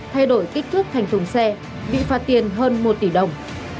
thay đổi kích thước thành thùng xe bị phạt tiền hơn một tỷ đồng